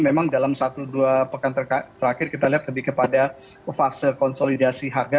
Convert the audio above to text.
memang dalam satu dua pekan terakhir kita lihat lebih kepada fase konsolidasi harga